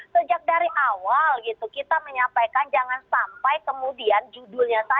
sejak dari awal gitu kita menyampaikan jangan sampai kemudian judulnya saja